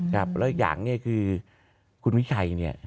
ครับแล้วอีกอย่างเนี่ยคือคุณวิชัยเนี่ย